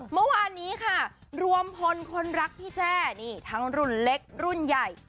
เมื่อวานนี้ค่ะรวมพลคนรักพี่แจ้นี่ทั้งรุ่นเล็กรุ่นใหญ่